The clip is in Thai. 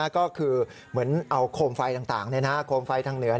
ก็คือเหมือนเอาโคมไฟต่างโคมไฟทางเหนือ